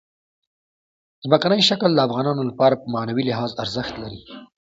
ځمکنی شکل د افغانانو لپاره په معنوي لحاظ ارزښت لري.